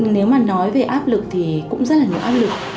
nếu mà nói về áp lực thì cũng rất là nhiều áp lực